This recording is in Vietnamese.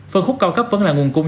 phần khúc cao cấp vẫn là nguồn cung